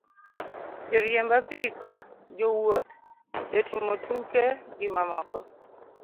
Joriembo apiko, jowuoth, jotimo tuke, gi mamoko.